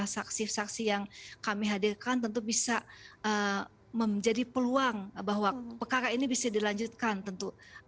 saksi saksi yang kami hadirkan tentu bisa menjadi peluang bahwa perkara ini bisa dilanjutkan tentu